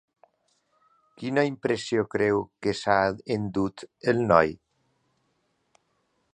Quina impressió creu que s'ha endut el noi?